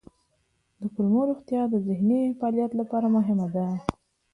د کولمو روغتیا د ذهني فعالیت لپاره مهمه ده.